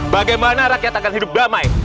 bagaimana rakyat akan hidup damai